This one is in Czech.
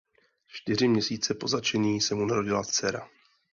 Čtyři měsíce po zatčení se mu narodila dcera.